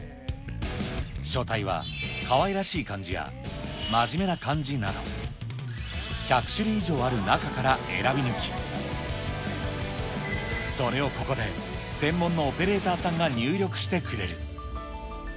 書体はかわいらしい感じや真面目な感じなど、１００種類以上ある中から選び抜き、それをここで、専門のオペレーターさんが入力してくれる。